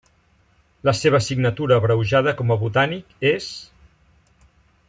La seva signatura abreujada com a botànic és: